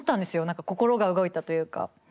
何か心が動いたというか。